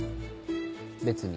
別に。